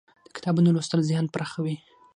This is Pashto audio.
د کتابونو لوستل ذهن پراخوي.